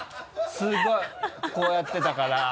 すごいこうやってたから。